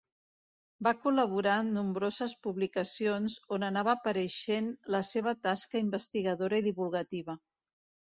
Va col·laborar en nombroses publicacions on anava apareixent la seva tasca investigadora i divulgativa.